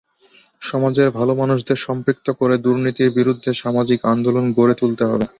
সমাজের ভালো মানুষদের সম্পৃক্ত করে দুর্নীতির বিরুদ্ধে সামাজিক আন্দোলন গড়ে তুলতে হবে।